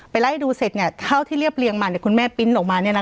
ไปไล่ดูเสร็จเนี่ยเท่าที่เรียบเรียงมาเนี่ยคุณแม่ปริ้นต์ออกมาเนี่ยนะคะ